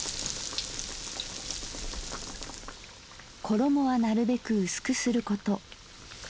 「ころもはなるべく薄くすること。